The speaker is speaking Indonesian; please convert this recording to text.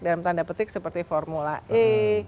dalam tanda petik seperti formula e